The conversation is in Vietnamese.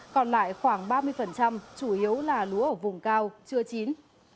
còn lại khoảng ba mươi chủ yếu là lúa ở vùng cao chưa chín